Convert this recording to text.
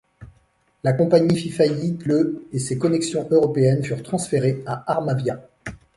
La compagnie fit faillite le et ses connexions européennes furent transférées à Armavia.